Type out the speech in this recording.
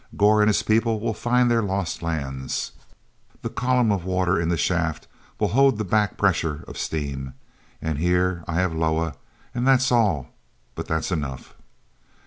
Gor and his people will find their lost lands; the column of water in the shaft will hold the back pressure of steam. And here, I have Loah, and that's all—but that's enough!"